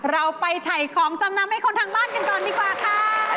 เราไปถ่ายของจำนำให้คนทางบ้านกันก่อนดีกว่าค่ะ